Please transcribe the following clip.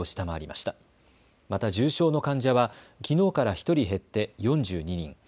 また重症の患者はきのうから１人減って４２人。